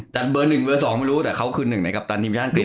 แต่เบอร์๑เบอร์๒ไม่รู้แต่เขาคือหนึ่งในกัปตันทีมชาติอัศ